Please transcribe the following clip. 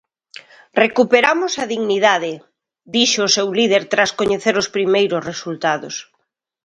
"Recuperamos a dignidade", dixo o seu líder tras coñecer os primeiros resultados.